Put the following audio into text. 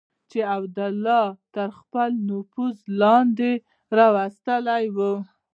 چې عبیدالله تر خپل نفوذ لاندې راوستلي وو.